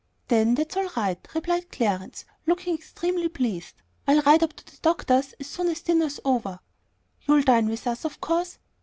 "Then that's all right," replied Clarence, looking extremely pleased. "I'll ride up to the doctor's as soon as dinner's over." "You'll dine with us, of course?"